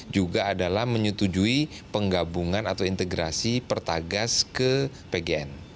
juga adalah menyetujui penggabungan atau integrasi pertagas ke pgn